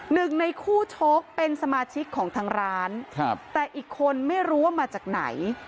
หนึ่งในคู่ชกเป็นสมาชิกของทางร้านครับแต่อีกคนไม่รู้ว่ามาจากไหน